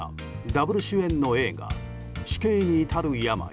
ダブル主演の映画「死刑にいたる病」。